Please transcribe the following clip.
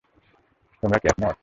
তোমরা কি একমত?